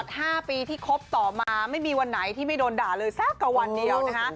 ๕ปีที่คบต่อมาไม่มีวันไหนที่ไม่โดนด่าเลยสักกับวันเดียวนะคะ